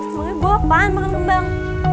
sebenernya gue apaan makan kembang